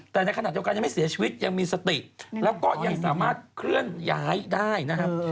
แต่ในขณะเดียวกันยังไม่เสียชีวิตยังมีสติแล้วก็ยังสามารถเคลื่อนย้ายได้นะครับ